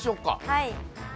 はい。